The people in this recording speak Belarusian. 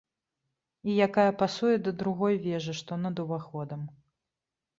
І якая пасуе да другой вежы, што над уваходам.